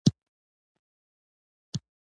هیلۍ د غرونو سیوري ته ځان رسوي